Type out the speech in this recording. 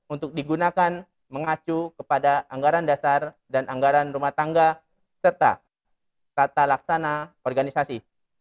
untuk digunakan mengacu kepada anggaran dasar dan anggaran rumah tangga serta tata laksana organisasi